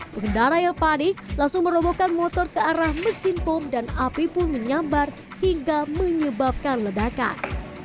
pengendara yang panik langsung merobohkan motor ke arah mesin bom dan api pun menyambar hingga menyebabkan ledakan